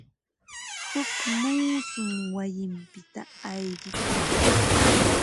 Huk muusum wayinpita ayqikun.